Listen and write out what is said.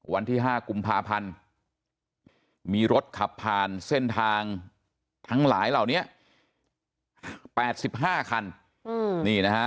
วันที่๕กุมภาพันธ์มีรถขับผ่านเส้นทางทั้งหลายเหล่านี้๘๕คันนี่นะฮะ